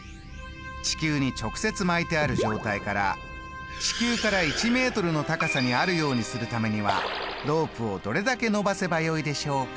地球に直接巻いてある状態から地球から１ｍの高さにあるようにするためにはロープをどれだけ伸ばせばよいでしょうか？」